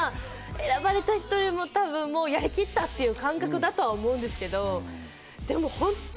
選ばれた人もやりきったっていう感じだと思うんですけど。